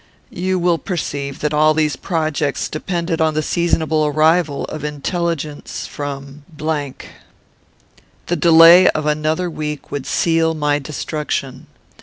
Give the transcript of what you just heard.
"You will perceive that all these projects depended on the seasonable arrival of intelligence from . The delay of another week would seal my destruction.